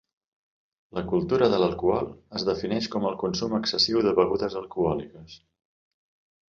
La cultura de l'alcohol es defineix com el consum excessiu de begudes alcohòliques.